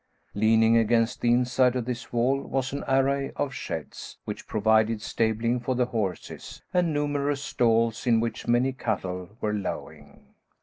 Leaning against the inside of this wall was an array of sheds, which provided stabling for the horses, and numerous stalls in which many cattle were lowing.